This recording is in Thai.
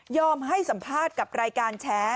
ให้สัมภาษณ์กับรายการแชร์